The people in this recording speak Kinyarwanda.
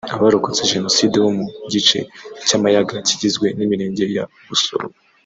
Abarokotse Jenoside bo mu Gice cy’Amayaga kigizwe n’Imirenge ya Busoro